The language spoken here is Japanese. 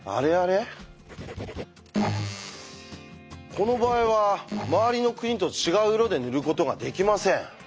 この場合は周りの国と違う色で塗ることができません。